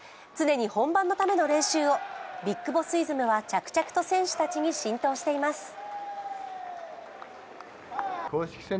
常に本番のための練習をビッグボスイズムは着々と選手たちに浸透しています。